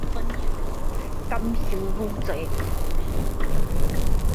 感受更多